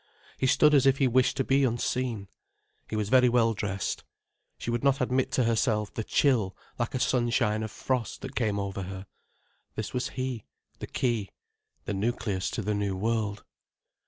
He stood as if he wished to be unseen. He was very well dressed. She would not admit to herself the chill like a sunshine of frost that came over her. This was he, the key, the nucleus to the new world.